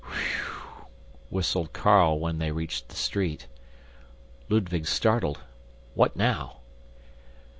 "Whew!" whistled Carl when they reached the street. Ludwig startled. "What now?"